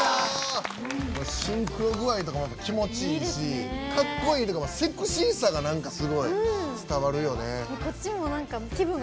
シンクロ具合とか気持ちいいしかっこいいっていうかセクシーさが、なんかすごい伝わるよね。